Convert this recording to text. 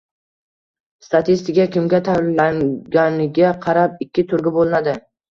Statistika kimga tayyorlanganiga qarab ikki turga bo'linadi: